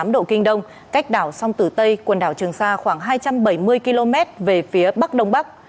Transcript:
một trăm một mươi năm tám độ kinh đông cách đảo song tử tây quần đảo trường sa khoảng hai trăm bảy mươi km về phía bắc đông bắc